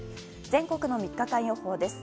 全国の３日間予報です。